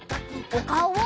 おかおを！